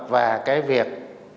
và cái việc